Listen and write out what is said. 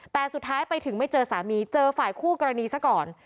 แต่สุดท้ายไปถึงไม่เจอสามีเจอฝ่ายคู่กรณีซะก่อน